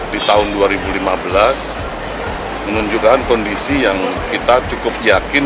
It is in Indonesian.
di tahun dua ribu lima belas menunjukkan kondisi yang kita cukup yakin